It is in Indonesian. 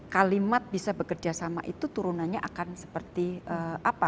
kalimat bisa bekerja sama itu turunannya akan seperti apa